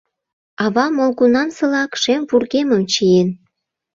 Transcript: Ава молгунамсылак шем вургемым чиен.